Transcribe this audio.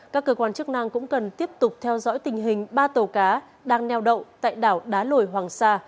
các cơ quan chức năng cũng cần tiếp tục theo dõi tình hình ba tàu cá đang neo đậu tại đảo đá lồi hoàng sa